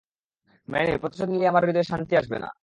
Many, প্রতিশোধ নিলেই আমার হৃদয়ে শান্তি আসবে না।